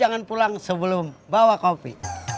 jangan pulang sebelum bawa kopi